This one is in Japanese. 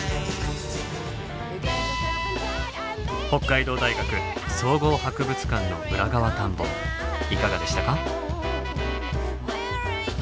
北海道大学総合博物館の裏側探訪いかがでしたか？